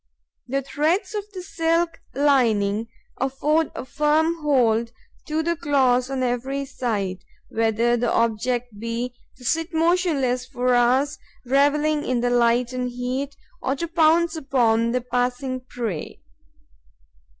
The threads of the silk lining afford a firm hold to the claws on every side, whether the object be to sit motionless for hours, revelling in the light and heat, or to pounce upon the passing prey.